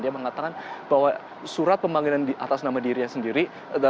dia mengatakan bahwa surat pemanggilan atas nama dirinya sendiri